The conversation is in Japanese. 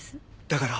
だから。